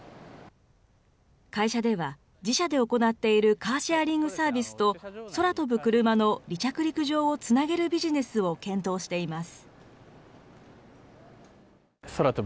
会社では自社で行っているカーシェアリングサービスと、空飛ぶクルマの離着陸場をつなげるビジネスを検討しています。